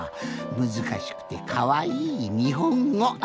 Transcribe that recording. むずかしくてかわいいにほんご。